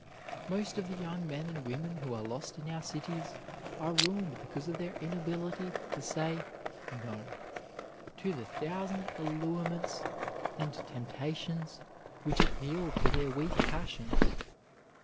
Most of the young men and women who are lost in our cities are ruined because of their inability to say "No" to the thousand allurements and temptations which appeal to their weak passions.